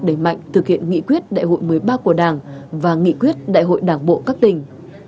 đẩy mạnh thực hiện nghị quyết đại hội một mươi ba của đảng và nghị quyết đại hội đảng bộ các tỉnh